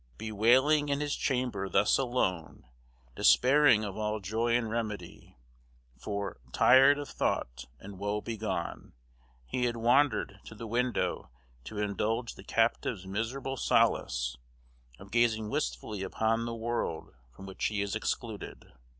"Bewailing in his chamber thus alone," despairing of all joy and remedy, "for, tired of thought, and woe begone," he had wandered to the window to indulge the captive's miserable solace, of gazing wistfully upon the world from which he is excluded.